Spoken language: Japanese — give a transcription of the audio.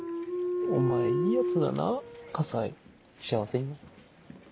お前いいヤツだな河西幸せにな。